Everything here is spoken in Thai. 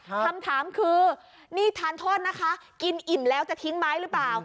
คำถามคือนี่ทานโทษนะคะกินอิ่มแล้วจะทิ้งไม้หรือเปล่า